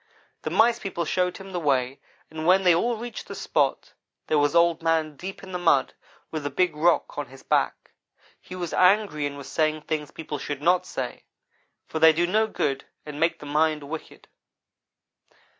The Mice people showed him the way, and when they all reached the spot there was Old man deep in the mud, with the big rock on his back. He was angry and was saying things people should not say, for they do no good and make the mind wicked.